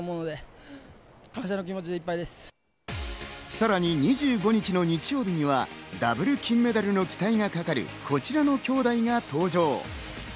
さらに２５日の日曜日にはダブル金メダルの期待がかかる、こちらのきょうだいが登場。